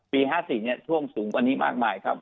ปี๕๔เนี่ยช่วงสูงตอนนี้มากมายครับ